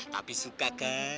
tapi suka kan